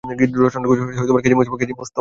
গীত রচনা করেছেন কে জি মুস্তফা।